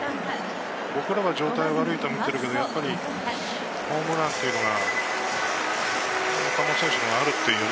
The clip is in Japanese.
僕らは状態が悪いと見ているんですけれど、やっぱりホームランというのが岡本選手にはあるという